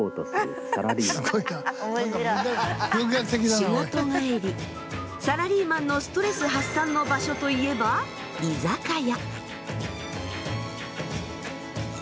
仕事帰りサラリーマンのストレス発散の場所といえば居酒屋。